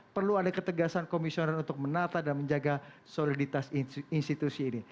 perlu ada ketegasan komisioner untuk menata dan menjaga soliditas institusi ini